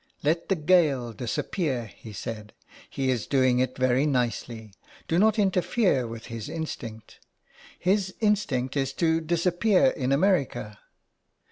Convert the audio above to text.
" Let the Gael disappear," he said. " He is doing it very nicely. Do not interfere with his instinct. His instinct is to disappear in America.